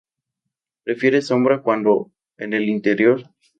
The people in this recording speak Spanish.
Prefiere sombra cuando en el interior.